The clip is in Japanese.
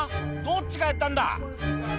どっちがやったんだ？」